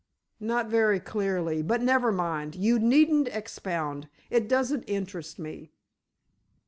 "Not very clearly; but never mind, you needn't expound. It doesn't interest me."